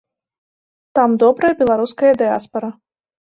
Там добрая беларуская дыяспара.